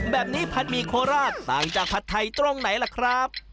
แบบนี้ผัดหมี่โคราชต่างจากผัดไทยตรงไหนล่ะครับ